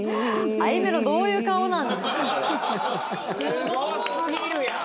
すごすぎるやん！